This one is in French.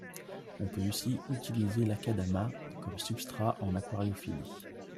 On peut aussi utiliser l'akadama comme substrat en aquariophilie.